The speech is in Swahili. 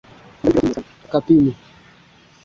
viazi lishe Vina vitamini K muhimu kugandisha damu